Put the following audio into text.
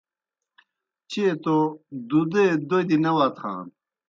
چیئے توْ دُدَے دوْدیْ نہ وتھان